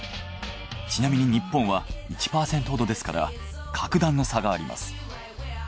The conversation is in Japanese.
ちなみに日本は１％ほどですから各段の差があります。